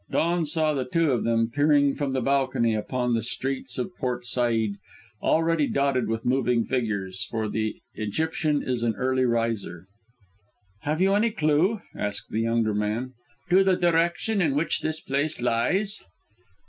Dawn saw the two of them peering from the balcony upon the streets of Port Said, already dotted with moving figures, for the Egyptian is an early riser. "Have you any clue," asked the younger man, "to the direction in which this place lies?"